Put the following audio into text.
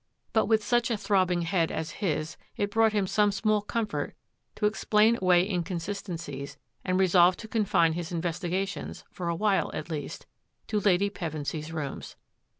But with such a throbbing head as his it brought him some small comfort to explain away incon sistencies and resolve to confine his investigations, for a while, at least, to Lady Pevensy's rooms.